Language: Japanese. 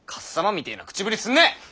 みてぇな口ぶりすんな。